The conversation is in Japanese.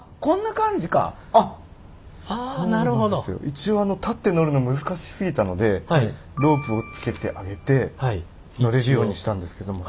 一応立って乗るの難しすぎたのでロープをつけてあげて乗れるようにしたんですけども。